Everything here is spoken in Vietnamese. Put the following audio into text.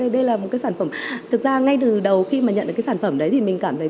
đây là một cái sản phẩm thực ra ngay từ đầu khi mà nhận được cái sản phẩm đấy